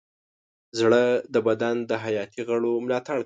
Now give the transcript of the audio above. زړه د بدن د حیاتي غړو ملاتړ کوي.